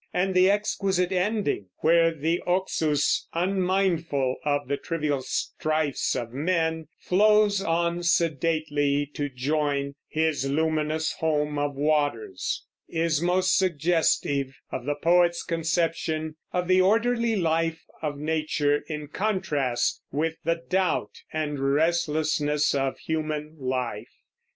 And the exquisite ending, where the Oxus, unmindful of the trivial strifes of men, flows on sedately to join "his luminous home of waters" is most suggestive of the poet's conception of the orderly life of nature, in contrast with the doubt and restlessness of human life.